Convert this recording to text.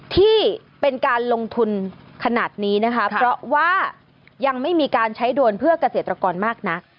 ที่เป็นการลงทุนขนาดนี้นะคะเพราะว่ายังไม่มีการใช้ด่วนเพื่อเกษตรกรมากนัก